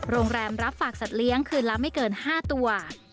โรงแรมรับฝากสัตว์เลี้ยงคืนละไม่เกิน๕ตัว